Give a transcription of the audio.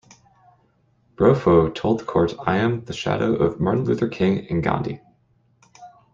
Bropho told the court I am the shadow of Martin Luther King and Gandhi.